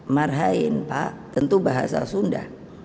marhain pak tentu bahasa sunda